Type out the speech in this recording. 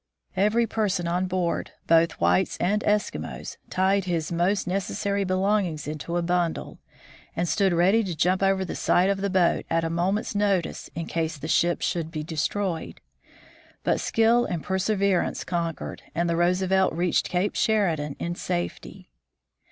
Every person on board, both whites and Eskimos, tied his most necessary belongings into a bundle and stood 162 THE FROZEN NORTH ready to jump over the side of the boat at a moment's notice in case the ship should be destroyed. But skill and perseverance conquered, and the Roosevelt reached Cape Sheridan in safety.